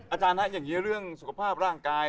อาจารย์ฮะอย่างนี้เรื่องสุขภาพร่างกาย